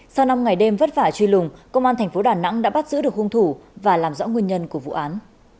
sau năm ngày đêm vất vả truy lùng công an thành phố đà nẵng đã bắt giữ được hung thủ và làm rõ nguyên nhân của vụ án